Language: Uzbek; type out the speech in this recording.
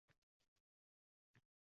Bir soat ham o`tirmay, chiqib ketdilar